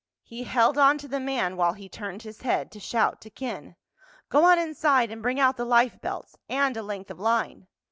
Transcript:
He held on to the man while he turned his head to shout to Ken. "Go on inside and bring out the life belts—and a length of line."